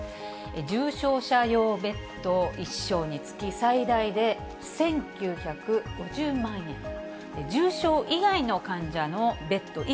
重症者用ベッド１床につき、最大で１９５０万円、重症以外の患者のベッド１